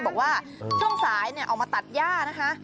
บอกว่าช่วงสายเนี่ยออกมาตัดหญ้านะคะ